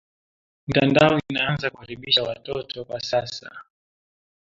Mtandao inaanza aribisha wa toto kwa sasa